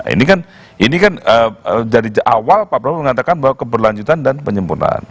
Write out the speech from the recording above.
ini kan ini kan dari awal pak prabowo mengatakan bahwa keberlanjutan dan penyempurnaan